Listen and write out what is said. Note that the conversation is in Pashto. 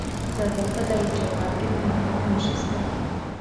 د زابل په دایچوپان کې د مرمرو نښې شته.